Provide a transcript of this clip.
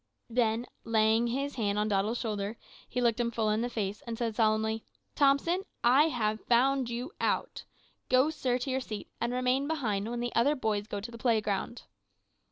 Then laying his hand on Doddle's shoulder, he looked him full in the face, and said solemnly, `Thompson, I have found you out. Go, sir, to your seat, and remain behind when the other boys go to the playground.'